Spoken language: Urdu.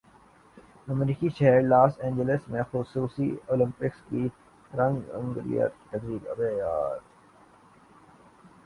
امریکی شہر لاس اینجلس میں خصوصی اولمپکس کی رنگا رنگ تقریب